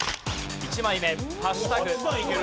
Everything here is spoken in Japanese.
１枚目